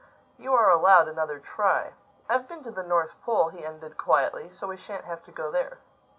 You are allowed another try. I've been to the North Pole," he ended quietly, "so we shan't have to go there."